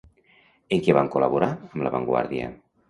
En què van col·laborar amb La Vanguardia?